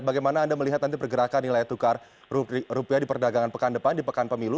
bagaimana anda melihat nanti pergerakan nilai tukar rupiah di perdagangan pekan depan di pekan pemilu